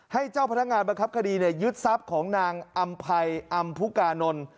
ให้เจ้าพนักงานบังคับคดียึดทรัพย์ของนางอำภัยอำพุกานนท์